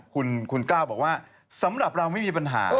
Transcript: คุณก้าวบอกว่าสำหรับเราไม่มีปัญหา